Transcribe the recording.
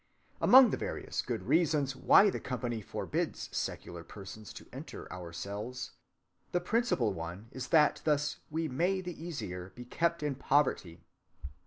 Among the various good reasons why the company forbids secular persons to enter our cells, the principal one is that thus we may the easier be kept in poverty.